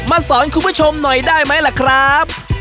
สอนคุณผู้ชมหน่อยได้ไหมล่ะครับ